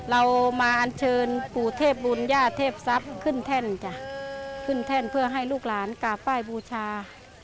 เรามาอันเชิญปู่เทพบุญย่าเทพทรัพย์ขึ้นแท่นจ้ะขึ้นแท่นเพื่อให้ลูกหลานกราบไหว้บูชา